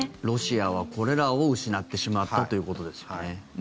ロシアはこれらを失ってしまったということですよね。